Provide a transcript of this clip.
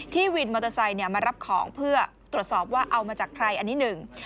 วินมอเตอร์ไซค์มารับของเพื่อตรวจสอบว่าเอามาจากใครอันนี้หนึ่ง